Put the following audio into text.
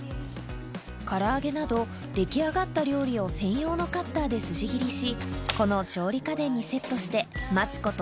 唐揚げなど出来上がった料理を専用のカッターでスジ切りしこの調理家電にセットして待つこと